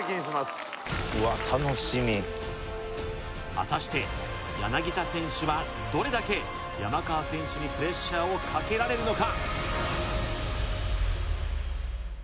果たして柳田選手はどれだけ山川選手にプレッシャーをかけられるのか？